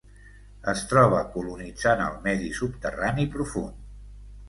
Es troba colonitzant el medi subterrani profund.